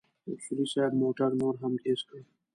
اصولي صیب موټر نور هم تېز کړ.